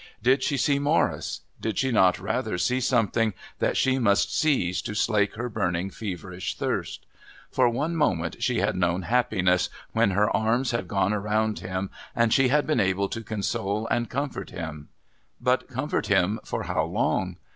Did she see Morris? Did she not rather see something that she must seize to slake her burning feverish thirst? For one moment she had known happiness, when her arms had gone around him and she had been able to console and comfort him. But comfort him for how long?